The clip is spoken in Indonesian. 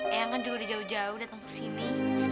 ea kan juga udah jauh jauh datang kesini